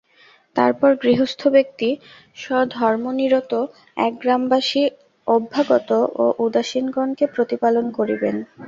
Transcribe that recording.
তারপর গৃহস্থ ব্যক্তি স্বধর্মনিরত, একগ্রামবাসী, অভ্যাগত ও উদাসীনগণকে প্রতিপালন করিবেন।